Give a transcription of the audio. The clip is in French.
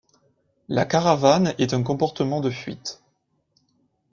La caravane est un comportement de fuite.